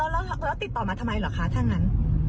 แล้วติดต่อมาทำไมเหรอคะถ้างั้น